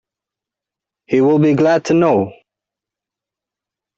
He will be glad to know!